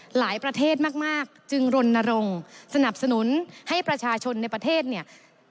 หลายประเทศมากจึงรณรงค์สนับสนุนให้ประชาชนในประเทศเนี่ย